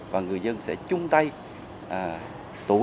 và người dân sẽ chung tay với chúng ta